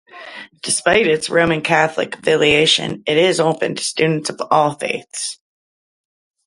Despite its Roman Catholic affiliation, it is open to students of all faiths.